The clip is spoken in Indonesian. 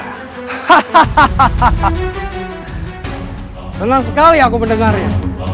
haberon hahically aku mendengarnya